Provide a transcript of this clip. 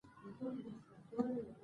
وخت به نه وي د آرام او د خوبونو؟